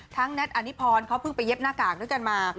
แนทอนิพรเขาเพิ่งไปเย็บหน้ากากด้วยกันมา